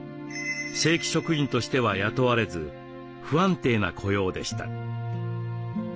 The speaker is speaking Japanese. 正規職員としては雇われず不安定な雇用でした。